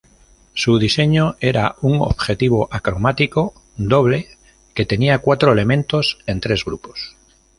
Su diseño era un objetivo acromático doble que tenía cuatro elementos en tres grupos.